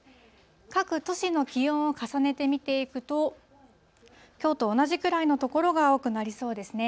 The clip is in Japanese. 各都市の気温を重ねて見ていくと、きょうと同じくらいの所が多くなりそうですね。